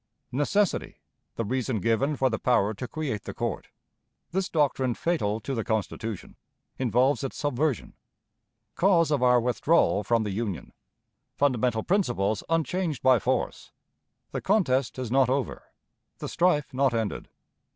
"Necessity," the reason given for the Power to create the Court. This Doctrine fatal to the Constitution; involves its Subversion. Cause of our Withdrawal from the Union. Fundamental Principles unchanged by Force. The Contest is not over; the Strife not ended.